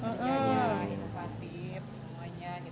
sebenarnya inovatif semuanya